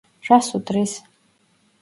რას უდრის?